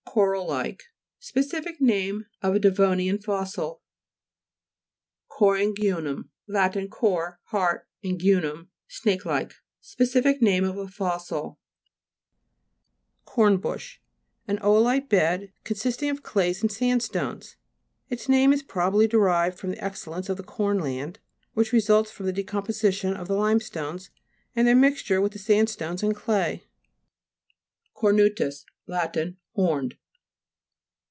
Coral like. Specific name of a devonian fossil (p. 33). COR AN'GUINUM Lat. cor, heart, an guinum, snake like. Specific name of a fossil (p. 75). CORNBRASH An o'olitic bed con sisting of clays and sandstones. Its name is probably derived from the excellence of the corn land, which results from the decomposition of the limestones, and their mixture with the sandstones and clay. CORNU'TUS Lat. Horned.